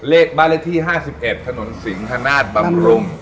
เลขบริธี๕๑ถนนสีฮนาสบำรุง